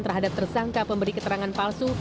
terhadap tersangka pemberi keterangan palsu